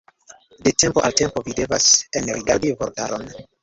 De tempo al tempo vi devas enrigardi vortaron.